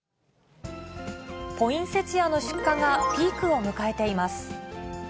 ポインセチアの出荷がピークを迎えています。